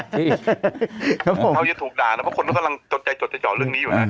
เช้าจะถูกด่านะเพราะว่าคนก็ต้องจดใจจดใจจ่อเรื่องนี้อยู่นะ